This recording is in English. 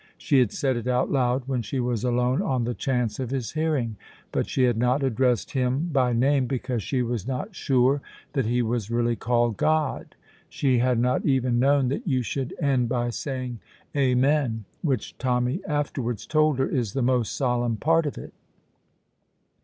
She had said it out loud when she was alone on the chance of His hearing, but she had not addressed Him by name because she was not sure that he was really called God. She had not even known that you should end by saying "Amen," which Tommy afterwards told her is the most solemn part of it.